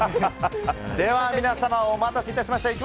では皆様、お待たせしました。